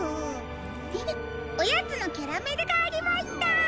フフおやつのキャラメルがありました！